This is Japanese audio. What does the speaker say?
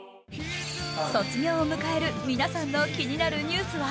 卒業を迎える皆さんの気になるニュースは